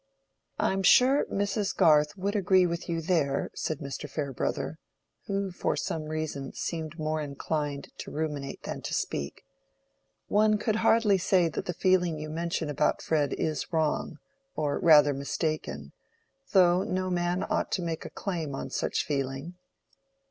"I am sure Mrs. Garth would agree with you there," said Mr. Farebrother, who for some reason seemed more inclined to ruminate than to speak. "One could hardly say that the feeling you mention about Fred is wrong—or rather, mistaken—though no man ought to make a claim on such feeling."